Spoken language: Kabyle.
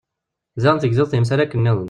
Ziɣen tegziḍ timsal akken-nniḍen.